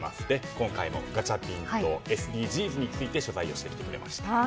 今回もガチャピンとＳＤＧｓについて取材をしてきてくれました。